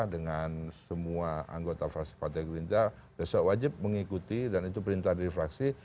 dengan semua anggota fraksi partai gerindra besok wajib mengikuti dan itu perintah dari fraksi